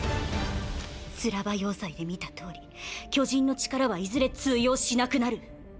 スラバ要塞で見たとおり巨人の力はいずれ通用しなくなる。